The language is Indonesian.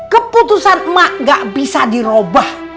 keputusan emak gak bisa di robah